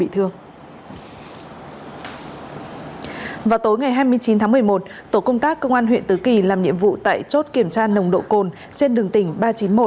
tối ngày hai mươi chín tháng một mươi một tổ công tác công an huyện tứ kỳ làm nhiệm vụ tại chốt kiểm tra nồng độ cồn trên đường tỉnh ba trăm chín mươi một